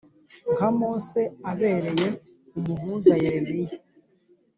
nka Mose abereye umuhuza Yeremiya